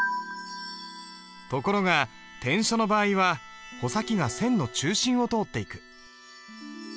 ところが篆書の場合は穂先が線の中心を通っていく。